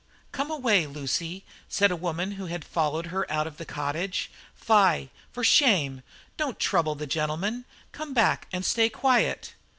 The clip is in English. "Come away, Lucy," said a woman who had followed her out of the cottage; "Fie for shame! don't trouble the gentlemen; come back and stay quiet."